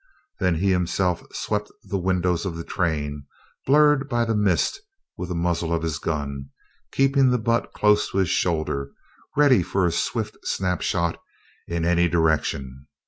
Then he himself swept the windows of the train, blurred by the mist, with the muzzle of his gun, keeping the butt close to his shoulder, ready for a swift snapshot in any direction.